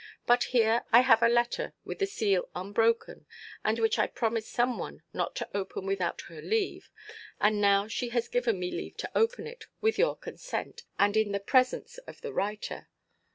But here I have a letter, with the seal unbroken, and which I promised some one not to open without her leave, and now she has given me leave to open it with your consent and in the presence of the writer.